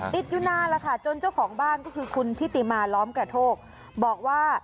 ติดอยู่นานแล้วค่ะจนเจ้าของบ้านก็คือคุณทิติมาล้อมกระโทกบอกว่า